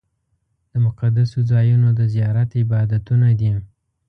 د مقدسو ځایونو د زیارت عبادتونه دي.